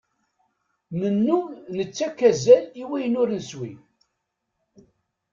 Nennum nettakk azal i wayen ur neswi.